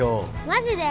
マジで？